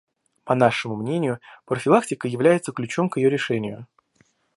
По нашему мнению, профилактика является ключом к ее решению.